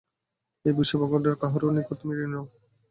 এই বিশ্বব্রহ্মাণ্ডের কাহারও নিকট তুমি ঋণী নও।